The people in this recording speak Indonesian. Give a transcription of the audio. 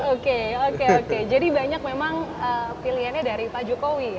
oke oke oke jadi banyak memang pilihannya dari pak jokowi